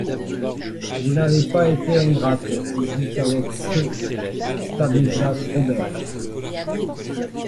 Vous n'avez pas été ingrate, dit avec feu Stanislas Robert.